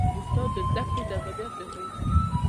استاد د زده کړو جذابیت زیاتوي.